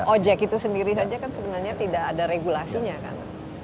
ojek itu sendiri saja kan sebenarnya tidak ada regulasinya kan